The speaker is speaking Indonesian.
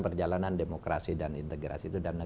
perjalanan demokrasi dan integrasi itu dalam